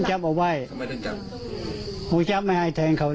อุตถึงนั้นแห่งดูแลมันมีหนี่อย่างการ